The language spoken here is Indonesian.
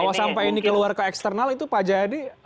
bahwa sampai ini keluar ke eksternal itu pak jayadi